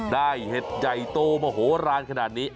ได้เห็ดใจโตมาโหลาฬขนาดนี้